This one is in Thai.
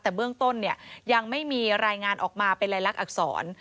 แต่เบื้องต้นเนี่ยยังไม่มีรายงานออกมาเป็นลายลักษร